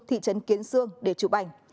thị trấn kiến sương để chụp ảnh